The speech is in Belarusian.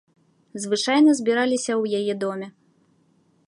Звычайна збіраліся ў яе доме.